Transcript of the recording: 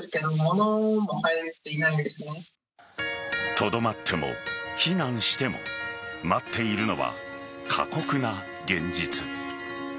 とどまっても非難しても待っているのは過酷な現実。